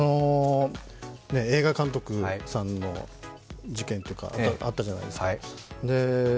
映画監督さんの事件とかあったじゃないですか。